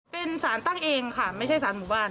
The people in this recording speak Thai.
เป็นสารตั้งเองค่ะไม่ใช่สารหมู่บ้าน